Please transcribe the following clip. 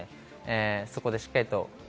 そこでしっかりメ